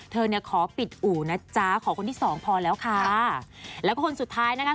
เธอเนี่ยขอปิดอู่นะจ๊ะขอคนที่สองพอแล้วค่ะแล้วก็คนสุดท้ายนะคะ